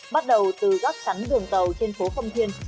bắt đầu từ gác chắn đường tàu trên phố khâm thiên